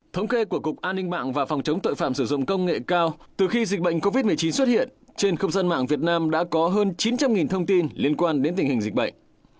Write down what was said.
thống kê của cục an ninh mạng và phòng chống tội phạm sử dụng công nghệ cao từ khi dịch bệnh covid một mươi chín xuất hiện trên không gian mạng việt nam đã có hơn chín trăm linh thông tin liên quan đến tình hình dịch bệnh